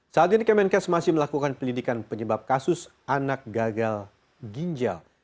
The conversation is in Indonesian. saat ini kemenkes masih melakukan penyelidikan penyebab kasus anak gagal ginjal